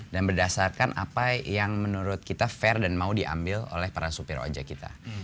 dan berdasarkan apa yang menurut kita fair dan mau diambil oleh para supir ojek kita